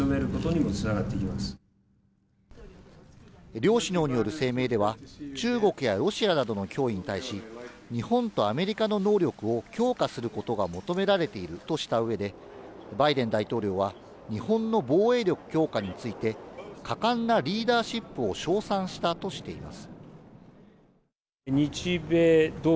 両首脳による声明では、中国やロシアなどの脅威に対し、日本とアメリカの能力を強化することが求められているとした上で、バイデン大統領は日本の防衛力強化について果敢なリーダーシップを称賛したとしています。